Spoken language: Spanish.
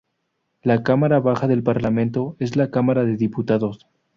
La cámara baja del Parlamento es la Cámara de Diputados.